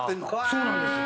そうなんです。